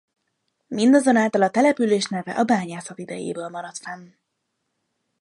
Mindazonáltal a település neve a bányászat idejéből maradt fenn.